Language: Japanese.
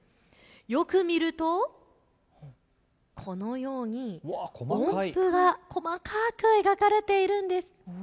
よく見るとこのように音符が細かく描かれているんです。